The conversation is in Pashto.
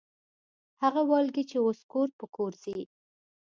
هغه والګي چې اوس کور پر کور ګرځي.